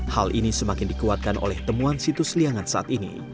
hal ini semakin dikuatkan oleh temuan situs liangan saat ini